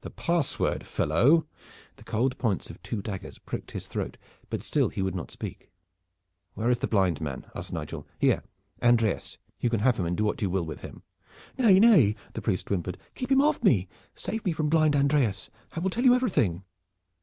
"The password, fellow!" The cold points of two daggers pricked his throat; but still he would not speak. "Where is the blind man?" asked Nigel. "Here, Andreas, you can have him and do what you will with him." "Nay, nay," the priest whimpered. "Keep him off me. Save me from blind Andreas! I will tell you everything."